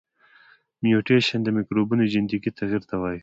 میوټیشن د مکروبونو جنیتیکي تغیر ته وایي.